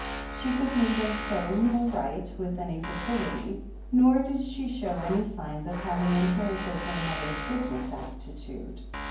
She could neither sew nor write with any facility, nor did she show any sigjns of having inherited her mother's business aptitude.